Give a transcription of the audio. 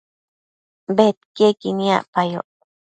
bedquiequi niacpayoc